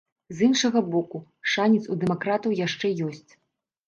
З іншага боку, шанец у дэмакратаў яшчэ ёсць.